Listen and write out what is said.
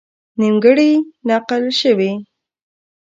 نیمګړې نقل شوې.